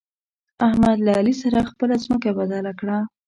احمد له علي سره خپله ځمکه بدله کړه.